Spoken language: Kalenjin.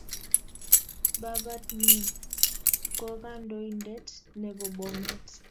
Babat nyin kokandoindet nebo Bomet